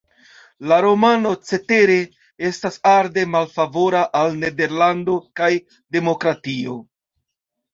La romano, cetere, estas arde malfavora al Nederlando kaj demokratio.